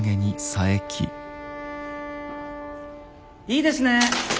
いいですねえ。